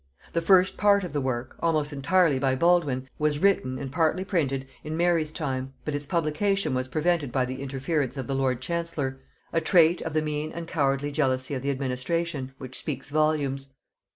The first part of the work, almost entirely by Baldwyne, was written, and partly printed, in Mary's time, but its publication was prevented by the interference of the lord chancellor, a trait of the mean and cowardly jealousy of the administration, which speaks volumes.